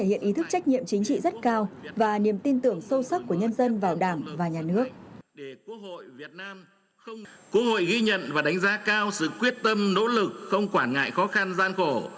quốc hội ghi nhận và đánh giá cao sự quyết tâm nỗ lực không quản ngại khó khăn gian khổ